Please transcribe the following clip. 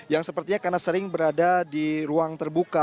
yang sepertinya karena sering berada di ruang terbuka